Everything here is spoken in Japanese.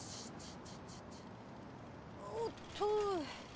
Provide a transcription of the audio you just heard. おっとー。